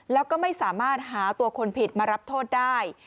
แล้วก็ไม่สามารถหาตัวคนผิดมารับโทษได้